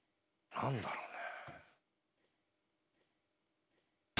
何だろうね？